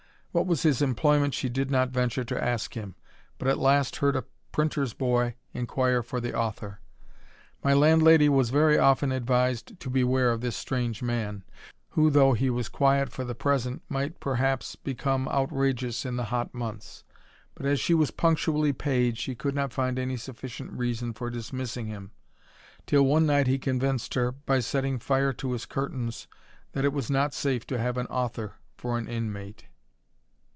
What his employment she did not venture to ask him, but last heard a printer's boy inquire for the author. My landlady was very often advised to beware of thi^ strange man, who, though he was quiet for the present, might perhaps become outrageous in the hot months ; but^ as she was punctually paid, she could not find any sufficient reason for dismissing him, till one night he convinced her, by setting fire to his curtains, that it was not safe to have an author for an inmate.